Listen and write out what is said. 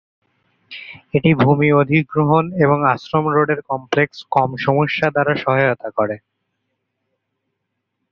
এটি ভূমি অধিগ্রহণ এবং আশ্রম রোডের কমপ্লেক্সে কম সমস্যা দ্বারা সহায়তা করে।